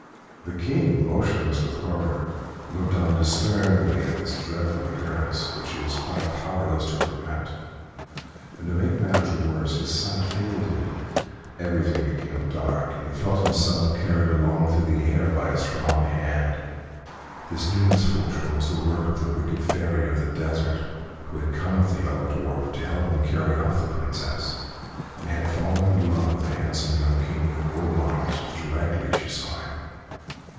The King, motionless with horror, looked on despairingly at this dreadful occurrence, which he was quite powerless to prevent, and to make matters worse his sight failed him, everything became dark, and he felt himself carried along through the air by a strong hand. This new misfortune was the work of the wicked Fairy of the Desert, who had come with the Yellow Dwarf to help him carry off the Princess, and had fallen in love with the handsome young King of the Gold Mines directly she saw him.